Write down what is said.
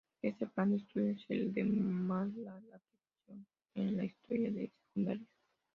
Este plan de estudios, el de más larga aplicación en la historia de Secundaria.